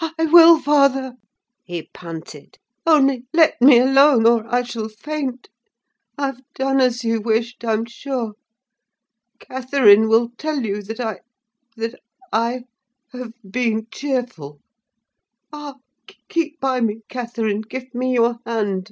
"I will, father," he panted. "Only, let me alone, or I shall faint. I've done as you wished, I'm sure. Catherine will tell you that I—that I—have been cheerful. Ah! keep by me, Catherine; give me your hand."